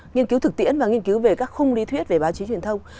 nghiên cứu thực tiễn và nghiên cứu về các khung lý thuyết về báo chí truyền thông